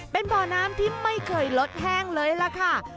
เป็นบ่อน้ำที่ไม่เคยลดแห้งเลยล่ะค่ะ